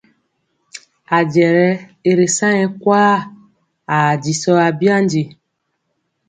Ajɛ yɛ i ri sa nyɛ kwaa, ajisɔ abyandi.